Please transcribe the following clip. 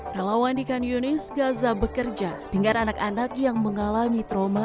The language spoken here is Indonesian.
relawan di kan yunis gaza bekerja dengan anak anak yang mengalami trauma